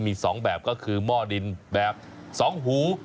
มี๒แบบก็คือหม้อดินแบบ๒หู